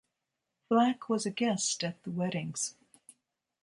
Black was a guest at the weddings.